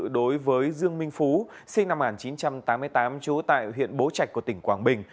đối với dương minh phú sinh năm một nghìn chín trăm tám mươi tám trú tại huyện bố trạch của tỉnh quảng bình